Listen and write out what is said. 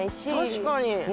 確かに。